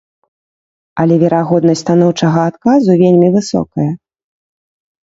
Але верагоднасць станоўчага адказу вельмі высокая.